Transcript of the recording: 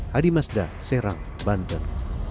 hadi masda serang bandar